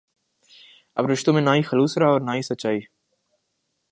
اب رشتوں میں نہ خلوص رہا ہے اور نہ ہی سچائی